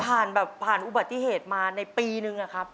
ผ่านแบบผ่านอุบัติเหตุมาในปีนึงอะครับ